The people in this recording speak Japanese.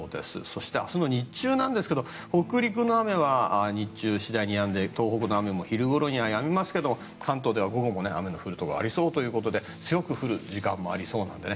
そして明日の日中なんですが北陸の雨は日中、次第にやんで東北の雨も昼ごろにはやみますが関東では午後も雨の降るところがありそうということで強く降る時間もありそうなので